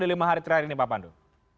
di lima hari terakhir ini pak pandu